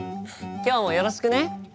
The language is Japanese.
今日もよろしくね。